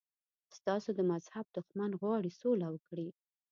ستاسو د مذهب دښمن غواړي سوله وکړي.